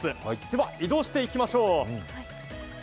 では、移動していきましょう。